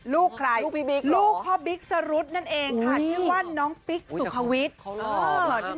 ลูกใครลูกพี่บิ๊กลูกพ่อบิ๊กสรุธนั่นเองค่ะชื่อว่าน้องปิ๊กสุขวิทย์